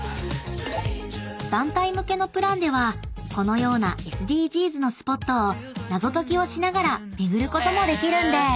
［団体向けのプランではこのようなＳＤＧｓのスポットを謎解きをしながら巡ることもできるんです］